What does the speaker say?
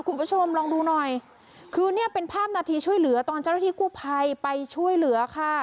คุณผู้ชมลองดูหน่อยคือเนี่ยเป็นภาพนาทีช่วยเหลือตอนเจ้าหน้าที่กู้ภัยไปช่วยเหลือค่ะ